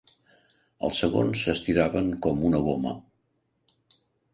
Els segons s'estiraven com una goma.